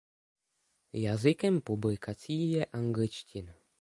Jazykem publikací je angličtina.